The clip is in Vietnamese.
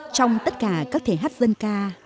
trong tất cả các thể hát dân ca